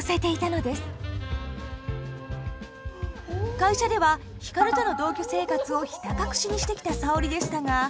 会社では光との同居生活をひた隠しにしてきた沙織でしたが。